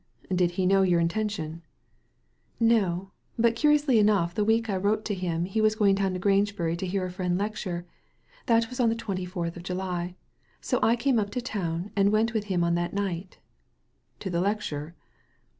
" Did he know of your intention ?"" No ; but curiously enough the week I wrote to him he was going down to Grangebury to hear a friend lecture. That was on the twenty fourth of July ; so I came up to town, and went with him on that night" "To the lecture?"